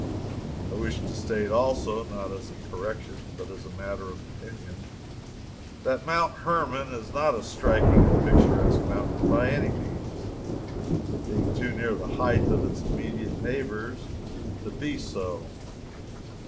I wish to state, also, not as a correction, but as matter of opinion, that Mount Hermon is not a striking or picturesque mountain by any means, being too near the height of its immediate neighbors to be so.